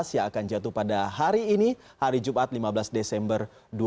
yang akan jatuh pada hari ini hari jumat lima belas desember dua ribu dua puluh